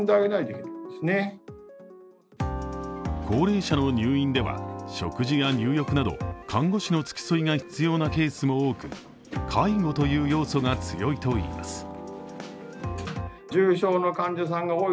高齢者の入院では食事や入浴など看護師の付き添いが必要なケースも多く介護という要素が強いといいます。